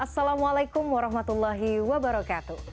assalamualaikum warahmatullahi wabarakatuh